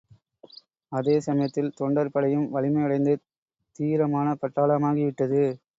அதேசமயத்தில் தொண்டர் படையும் வலிமையடைந்து தீரமான பட்டாளமாகி விட்டது.